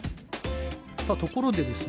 さあところでですね